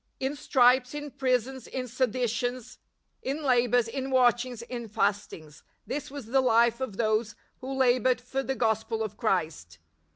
" In stripes, in prisons, in seditions, in labours, in watchings, in fastings ''—this was the life of those who laboured for the Gospel of Christ.